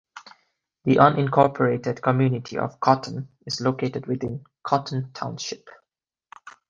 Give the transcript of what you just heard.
The unincorporated community of Cotton is located within Cotton Township.